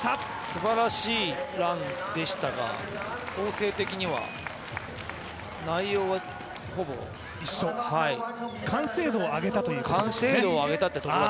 すばらしいランでしたが構成的には、内容はほぼ完成度を上げたってところだと思います。